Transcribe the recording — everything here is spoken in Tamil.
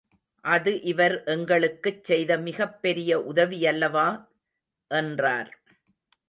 அது இவர் எங்களுக்குச் செய்த மிகப் பெரிய உதவியல்லவா? என்றார்.